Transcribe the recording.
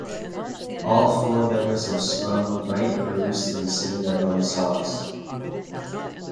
All four members of Sloan write, produce, and sing their own songs.